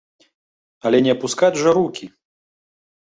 Але не апускаць жа рукі.